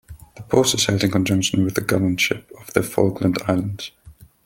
The post is held in conjunction with the Governorship of the Falkland Islands.